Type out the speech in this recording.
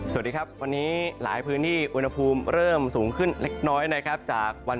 สวัสดีครับวันนี้หลายพื้นที่อุณหภูมิเริ่มสูงขึ้นเล็กน้อยนะครับจากวัน